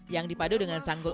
yang dipadu dengan sanggulan